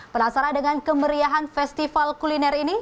penasaran dengan kemeriahan festival kuliner ini